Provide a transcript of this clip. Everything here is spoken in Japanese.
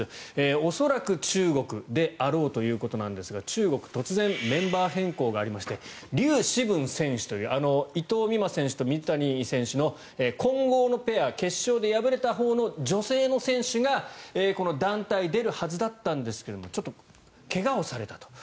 恐らく、中国であろうということなんですが中国、突然メンバー変更がありましてリュウ・シブン選手という伊藤美誠選手と水谷選手の混合のペア、決勝で敗れたほうの女性の選手がこの団体出るはずだったんですがちょっと怪我をされたと。